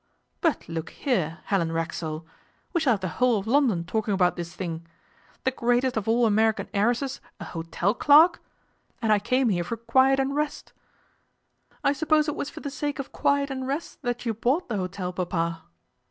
'But look here, Helen Racksole. We shall have the whole of London talking about this thing the greatest of all American heiresses a hotel clerk! And I came here for quiet and rest!' 'I suppose it was for the sake of quiet and rest that you bought the hotel, Papa?